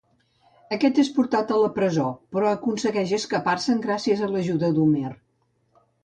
Aquest és portat a presó, però aconsegueix escapar-se'n gràcies a l'ajuda d'Homer.